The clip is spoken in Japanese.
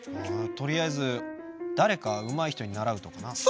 とりあえずだれかうまい人にならうとかな。